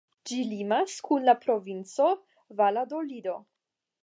Ĝi limas kun la Provinco Valadolido.